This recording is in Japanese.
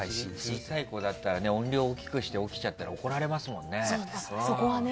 小さい子だったら音量大きくして起きちゃったら怒られますからね。